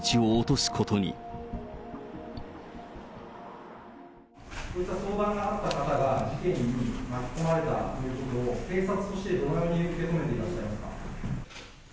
そういった相談があった方が事件に巻き込まれたということを、警察としてどのように受け止めていらっしゃいますか。